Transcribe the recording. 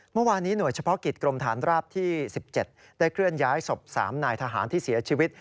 เมื่อวานนี้หน่วยเฉพาะกิจกรมฐานราบที่๑๗ได้เคลื่อนย้ายศพ๓นายทหารที่เสียชีวิต